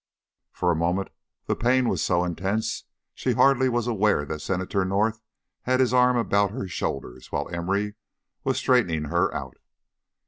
For a moment the pain was so intense she hardly was aware that Senator North had his arm about her shoulders while Emory was straightening her out.